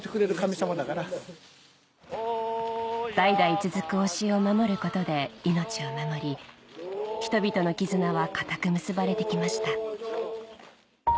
代々続く教えを守ることで命を守り人々の絆は固く結ばれてきました